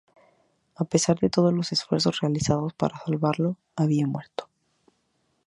A pesar de todos los esfuerzos realizados para salvarlo, había muerto.